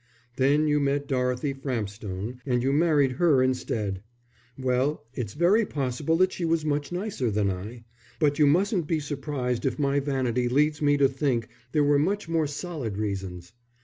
Then you met Dorothy Frampstone, and you married her instead. Well, it's very possible that she was much nicer than I, but you mustn't be surprised if my vanity leads me to think there were much more solid reasons.